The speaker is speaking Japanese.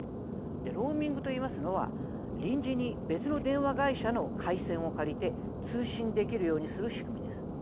ローミングといいますのは臨時に別の電話会社の回線を借りて通信できるようにする仕組みです。